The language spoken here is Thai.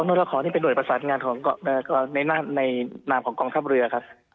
นอราคอนี่เป็นหน่วยประสานงานในหน้าของกองทัพเรือครับ